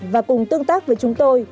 và cùng tương tác với chúng tôi